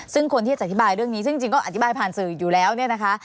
ซึ่งคนที่จะอธิบายเรื่องนี้ซึ่งจริงก็อธิบายผ่านสื่ออยู่แล้วเนี่ยนะคะ